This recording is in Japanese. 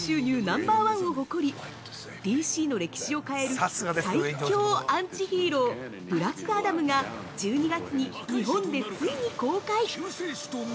ナンバーワンを誇りＤＣの歴史を変える最「恐」アンチヒーロー「ブラックアダム」が１２月に日本でついに公開！